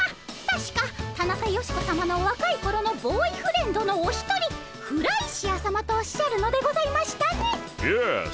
たしかタナカヨシコさまのわかいころのボーイフレンドのお一人フライシアさまとおっしゃるのでございましたね。